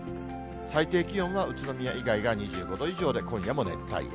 最低気温は宇都宮以外が２５度以上で、今夜も熱帯夜。